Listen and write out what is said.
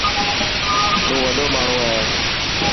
تون وڏو ماڻهو هي.